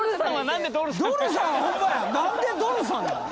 何でドルさんなん？